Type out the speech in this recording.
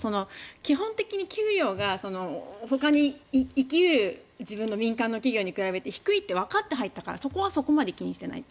基本的に給料がほかに行き得る民間の企業に比べて低いってわかって入ったからそこはそこまで気にしていないと。